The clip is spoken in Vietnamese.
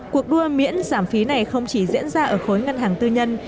cuộc đua miễn giảm phí này không chỉ diễn ra ở khối ngân hàng tư nhân